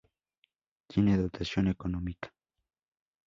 Tiene dotación económica.